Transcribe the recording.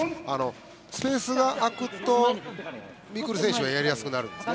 スペースが空くと未来選手はやりやすくなりますね。